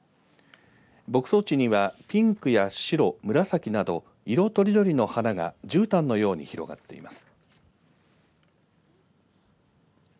牧草地にはピンクや白、紫など色とりどりの花がじゅうたんのように広がっています。